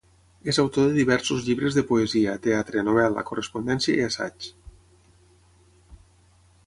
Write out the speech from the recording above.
És autor de diversos llibres de poesia, teatre, novel·la, correspondència i assaig.